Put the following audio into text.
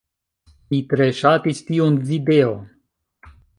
Mi tre ŝatis tiun videon.